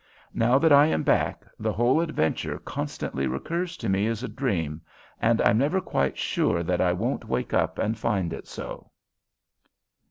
Now that I am back, the whole adventure constantly recurs to me as a dream, and I'm never quite sure that I won't wake up and find it so.